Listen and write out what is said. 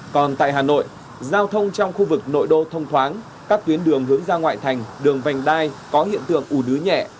còn tại hà nội giao thông trong khu vực nội đô thông thoáng các tuyến đường hướng ra ngoại thành đường vành đai có hiện tượng ủ nứ nhẹ